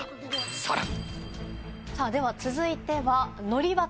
さらに。